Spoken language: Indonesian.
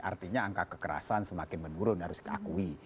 artinya angka kekerasan semakin menurun harus diakui